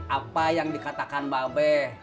apa yang dikatakan mba be